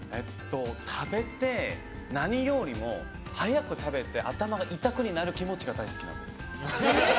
食べて、何よりも早く食べて頭が痛くなる気持ちが大好き。